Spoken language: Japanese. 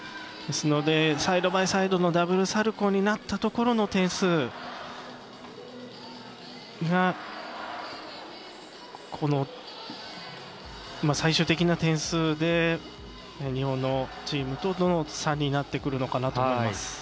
ですので、サイドバイサイドのダブルサルコーになったところの点数が最終的な点数で日本のチームと差になってくるのかなと思います。